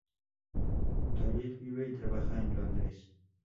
Khalil vive y trabaja en Londres.